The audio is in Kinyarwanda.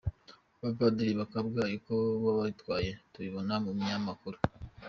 Abapadiri ba Kabgayi bo uko ubatwaye tubibona mu binyamakuru.